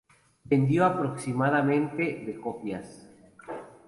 Vendió aproximadamente de copias.